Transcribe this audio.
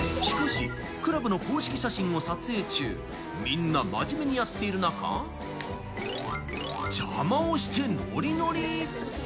しかしクラブの公式写真を撮影中、みんな真面目にやっている中、邪魔をしてノリノリ。